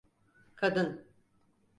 Kadın.